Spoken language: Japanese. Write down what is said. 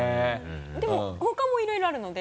でもほかもいろいろあるので。